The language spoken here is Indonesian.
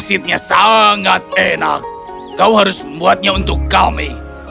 ini lucu sekali